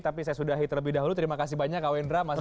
tapi saya sudahi terlebih dahulu terima kasih banyak kak wendra